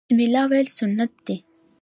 بسم الله ویل سنت دي